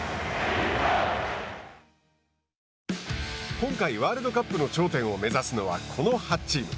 今回、ワールドカップの頂点を目指すのはこの８チーム。